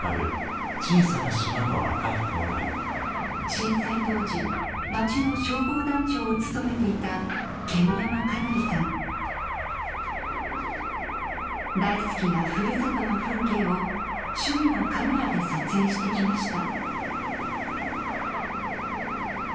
震災当時町の消防団長を務めていた大好きなふるさとの風景を趣味のカメラで撮影してきました